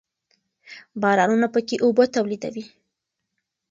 بارانونه پاکې اوبه تولیدوي.